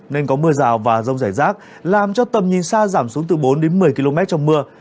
nên có mưa rào và rông rải rác làm cho tầm nhìn xa giảm xuống từ bốn đến một mươi km trong mưa